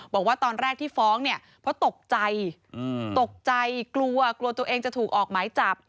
บอกว่าตอนแรกที่ฟ้องเนี่ยเพราะตกใจตกใจกลัวกลัวตัวเองจะถูกออกหมายจับ